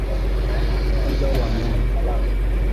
Ugonjwa wa malale